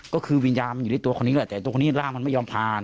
ก็คือวิญญาณมันอยู่ในตัวคนนี้แหละแต่ตัวคนนี้ร่างมันไม่ยอมผ่าน